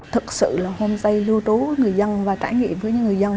thật sự là homestay lưu trú người dân và trải nghiệm với những người dân